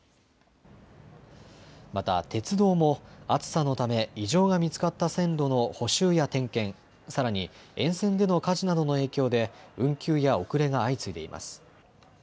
また、鉄道も暑さのため異常が見つかった線路の補修や点検、さらに沿線での火事などの影響で運休や遅れが相次いでいます。